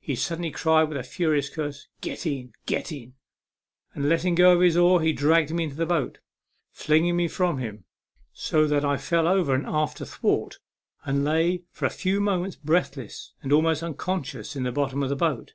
He suddenly cried with a furious curse, " Get in, get in !" and, letting go his oar, he dragged me into the boat, flinging me from him, so that I fell over an after thwart, and lay for a few moments breathless, and almost unconscious, in the bottom of the boat.